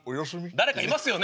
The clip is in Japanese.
誰かいますよね。